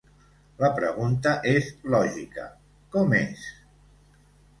La pregunta és lògica: com és?